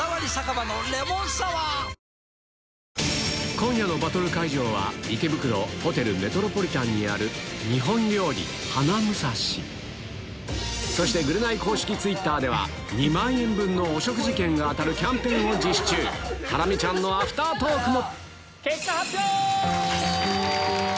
今夜のバトル会場はそして『ぐるナイ』公式ツイッターでは２万円分のお食事券が当たるキャンペーンを実施中ハラミちゃんのアフタートークも！